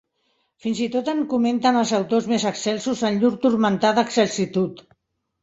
Fins i tot en cometen els autors més excelsos en llur turmentada excelsitud.